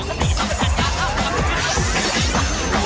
โอ้โฮ